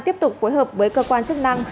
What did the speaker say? tiếp tục phối hợp với cơ quan chức năng